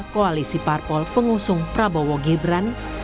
koalisi parpol pengusung prabowo gibran